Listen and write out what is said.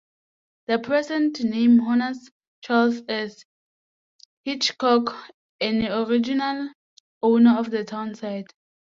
The present name honors Charles S. Hitchcock, an original owner of the town site.